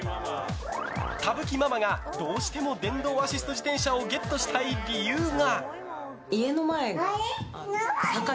田吹ママがどうしても電動アシスト自転車をゲットしたい理由が。